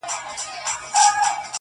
د توري شپې سره خوبونه هېرولاى نه ســم,